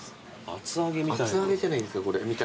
厚揚げじゃないですか。